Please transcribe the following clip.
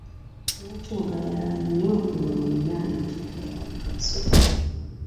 Lwaki ogayaala nnyo nga olina ekintu ky'omugaso?